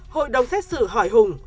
hội đồng xét xử hỏi hùng